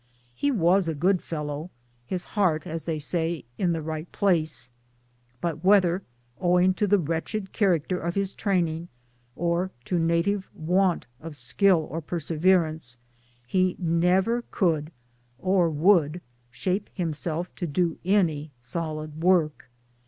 He was a good fellow his heart, as they say, in the right place ; but Whether; owing to the wretched character of his training, or to native want of skill or perseverance, he never could or would shape himself to do any solid work.